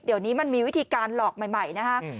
เดี๋ยวนี้มันมีวิธีการหลอกใหม่นะฮะ